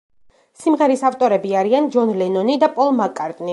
სიმღერის ავტორები არიან ჯონ ლენონი და პოლ მაკ-კარტნი.